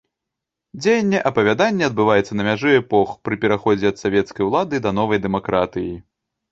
Дзеянне апавядання адбываецца на мяжы эпох, пры пераходзе ад савецкай улады да новай дэмакратыі.